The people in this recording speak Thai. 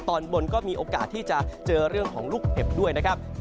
ตอนบนก็มีโอกาสที่จะเจอเรื่องของลูกเห็บด้วยนะครับ